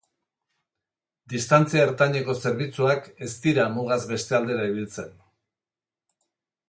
Distantzia ertaineko zerbitzuak ez dira mugaz beste aldera ibiltzen.